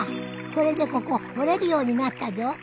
これでここ掘れるようになったじょ。